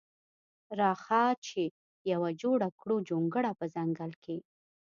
راخه چی یوه جوړه کړو جونګړه په ځنګل کی.